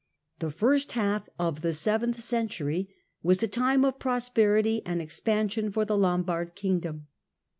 The first half of the seventh century was a time of prosperity and expansion for the Lombard kingdom.